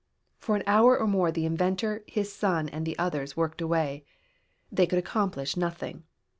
For an hour or more the inventor, his son and the others, worked away. They could accomplish nothing.